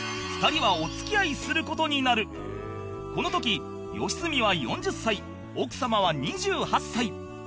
この時良純は４０歳奥様は２８歳